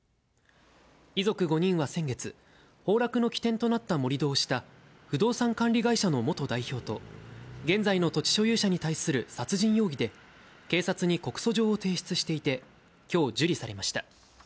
遺族５人は先月、崩落の起点となった盛り土をした不動産管理会社の元代表と、現在の土地所有者に対する殺人容疑で、警察に告訴状を提出していて、きょう受理されました。